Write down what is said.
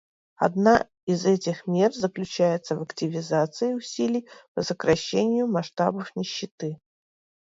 Одна из этих мер заключается в активизации усилий по сокращению масштабов нищеты.